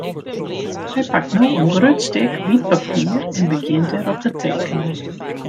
Hy pakt no in grut stik wyt papier en begjint dêrop te tekenjen.